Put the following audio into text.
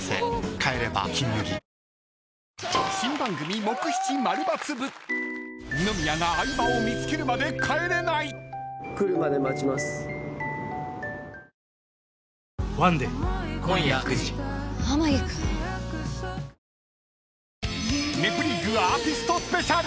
帰れば「金麦」［『ネプリーグ』アーティストスペシャル！］